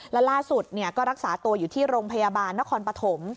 และล่าสุดก็รักษาตัวอยู่ที่โรงพยาบาลนครปฐม